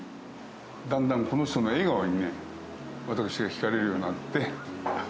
だんだんこの人の笑顔にね、私が引かれるようになって。